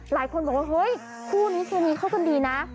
หลายคนบอกว่าเฮ้ยคู่นี้เคมีเข้ากันดีนะ